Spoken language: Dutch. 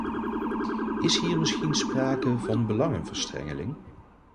Is hier misschien sprake van belangenverstrengeling?